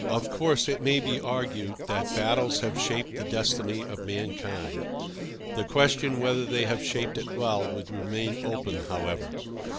Of course, it may be argued that battles have shaped the destiny of mankind. The question whether they have shaped it well would remain open, however.